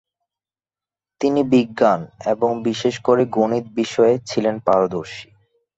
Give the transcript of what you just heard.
তিনি বিজ্ঞান এবং বিশেষ করে গণিত বিষয়ে ছিলেন পারদর্শী।